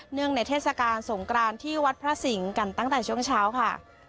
งในเทศกาลสงกรานที่วัดพระสิงห์กันตั้งแต่ช่วงเช้าค่ะ